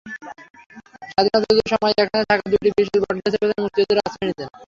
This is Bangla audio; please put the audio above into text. স্বাধীনতাযুদ্ধের সময় এখানে থাকা দুটি বিশাল বটগাছের পেছনে মুক্তিযোদ্ধারা আশ্রয় নিতেন।